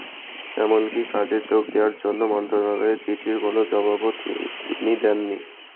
এমনকি কাজে যোগ দেওয়ার জন্য মন্ত্রণালয়ের চিঠির কোনো জবাবও তিনি দেননি।